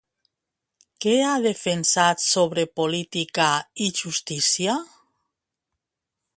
Què ha defensat sobre política i justícia?